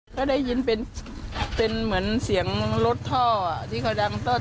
ก็ได้ยินเป็นเหมือนเสียงรถท่อที่เขาดัง